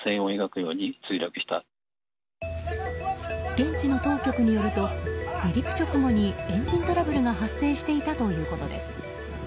現地の当局によると離陸直後にエンジントラブルが発生していたということです。